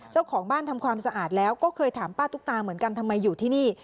เจ้าของบ้านทำความสะอาดแล้วก็เคยถามป้าตุ๊กตาเหมือนกันทำไมอยู่ที่นี่